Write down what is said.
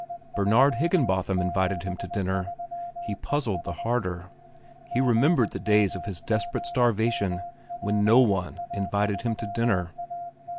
Bernard Higginbotham invited him to dinner. He puzzled the harder. He remembered the days of his desperate starvation when no one invited him to dinner.